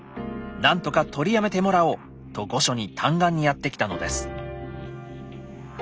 何とかとりやめてもらおう」と御所に嘆願にやって来たのです。